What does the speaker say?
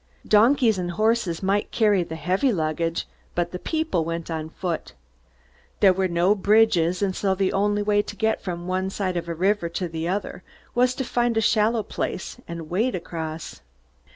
Donkeys and horses might carry the heavy luggage, but the people went on foot. There were no bridges, and so the only way to get from one side of a river to the other was to find a shallow place and wade across.